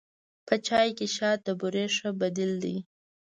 په چای کې شات د بوري ښه بدیل دی.